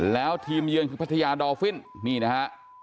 แล้วทีมเยือนคือพัทยาดอลฟินนี่นะฮะ